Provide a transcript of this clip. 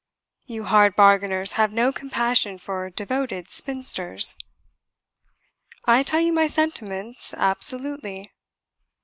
You hard bargainers have no compassion for devoted spinsters." "I tell you my sentiments absolutely."